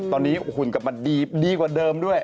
ตอนนี้หุ่นกลับมาดีกว่าเดิมด้วย